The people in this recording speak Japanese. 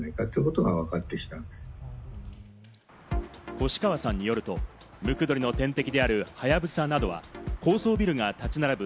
越川さんによるとムクドリの天敵であるハヤブサなどは高層ビルが立ち並ぶ